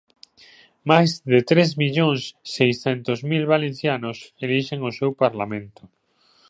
Máis de tres millóns seiscentos mil valencianos elixen o seu Parlamento.